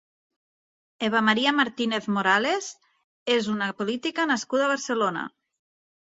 Eva Maria Martínez Morales és una política nascuda a Barcelona.